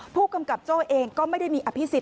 ผู้กำกับโจ้เองก็ไม่ได้มีอภิษฎ